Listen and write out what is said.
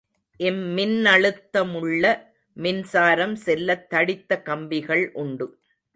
இம்மின்னழுத்தமுள்ள மின்சாரம் செல்லத் தடித்த கம்பிகள் உண்டு.